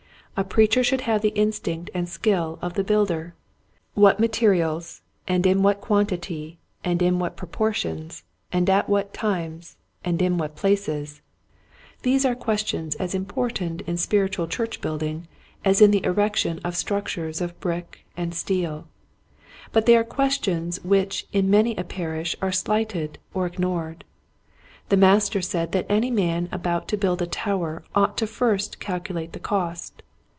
A preacher should have the instinct and skill of the builder. What materials and in what quantity and in what proportions and at what times and in what places, — these are questions as important in spiritual church building as in the erec tion of structures of brick and steel ; but they are questions which in many a parish are slighted or ignored. The Master said that any man about to build a tower ought first to calculate the cost.